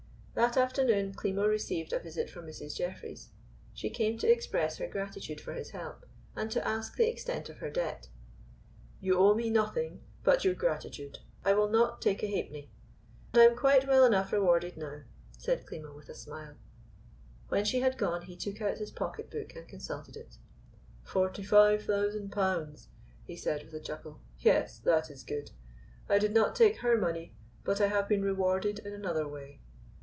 That afternoon Klimo received a visit from Mrs. Jeffreys. She came to express her gratitude for his help, and to ask the extent of her debt. "You owe me nothing but your gratitude. I will not take a half penny. I am quite well enough rewarded now," said Klimo with a smile. When she had gone he took out his pocket book and consulted it. "Forty five thousand pounds," he said with a chuckle. "Yes, that is good. I did not take her money, but I have been rewarded in another way."